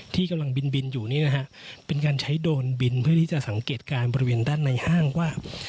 ที่กำลังบินบินอยู่นี่นะฮะเป็นการใช้โดรนบินเพื่อที่จะสังเกตการณ์บริเวณด้านในห้างว่า